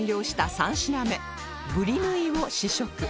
３品目ブリヌィを試食